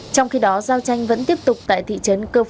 trong khi đó giao tranh vẫn tiếp tục tại thị trấn